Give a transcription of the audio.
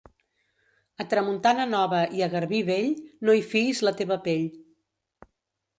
A tramuntana nova i a garbí vell, no hi fiïs la teva pell.